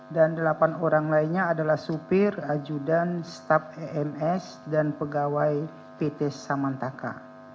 dan delapan orang lainnya adalah supir ajudan staff ems dan pegawai pt samantaka